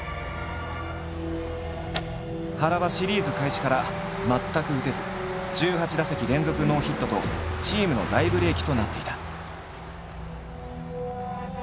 原はシリーズ開始から全く打てず１８打席連続ノーヒットとチームの大ブレーキとなっていた。